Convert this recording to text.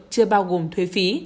chưa bao gồm thuế phí